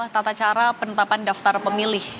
tata cara penetapan daftar pemilih